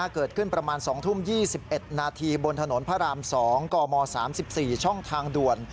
เกิดขึ้นประมาณ๒ทุ่ม๒๑นาทีบนถนนพระราม๒กม๓๔ช่องทางด่วน